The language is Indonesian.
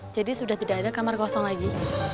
jadi sudah tidak ada kamar kosong lagi